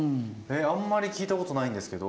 あんまり聞いたことないんですけど。